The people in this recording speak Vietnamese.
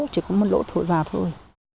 chỉ có một lỗ thổi vào thôi